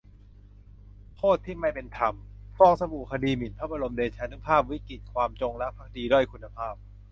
'โทษที่ไม่เป็นธรรม' : ฟองสบู่คดีหมิ่นพระบรมเดชานุภาพ วิกฤตความจงรักภักดีด้อยคุณภาพ